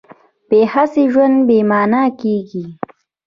بې هڅې ژوند بې مانا کېږي.